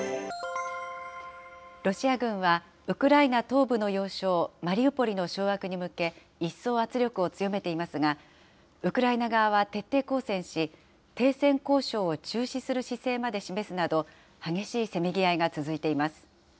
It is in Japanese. ロシア軍は、ウクライナ東部の要衝、マリウポリの掌握に向け、一層圧力を強めていますが、ウクライナ側は徹底抗戦し、停戦交渉を中止する姿勢まで示すなど、激しいせめぎ合いが続いています。